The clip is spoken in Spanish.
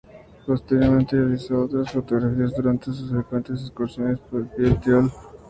Posteriormente, realizó otras fotografías durante sus frecuentes excursiones a pie por el Tirol.